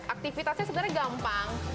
aktifitasnya sebenarnya gampang